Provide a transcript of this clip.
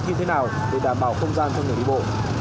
như thế nào để đảm bảo không gian cho người đi bộ